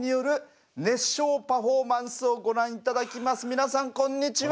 皆さんこんにちは。